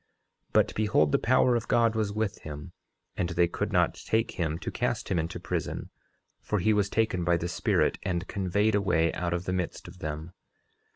10:16 But behold, the power of God was with him, and they could not take him to cast him into prison, for he was taken by the Spirit and conveyed away out of the midst of them.